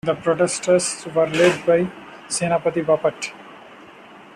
The protesters were led by Senapati Bapat.